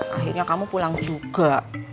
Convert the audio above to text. akhirnya kamu pulang juga